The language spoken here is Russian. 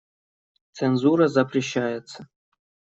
Цензура запрещается.